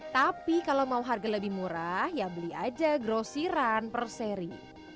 tapi kalau mau harga lebih murah ya beli aja grosiran per seri